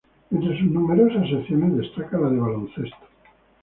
Entre sus numerosas secciones destaca la de baloncesto.